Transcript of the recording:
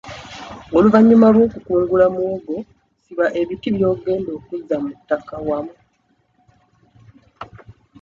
Oluvannyuma lw'okukungula muwogo siba ebiti by'ogenda okuzza mu ttaka wamu.